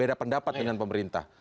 berbeda pendapat dengan pemerintah